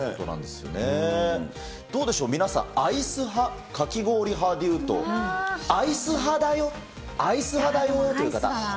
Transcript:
どうでしょう、皆さん、アイス派、かき氷派でいうと、アイス派だよって、アイス派だよという方。